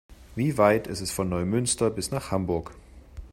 Wie weit ist es von Neumünster bis nach Hamburg?